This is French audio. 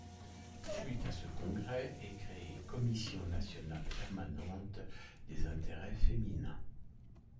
Suite à ce congrès est créée Commission nationale permanente des intérêts féminins.